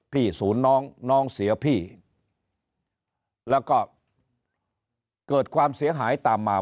ศูนย์น้องน้องเสียพี่แล้วก็เกิดความเสียหายตามมา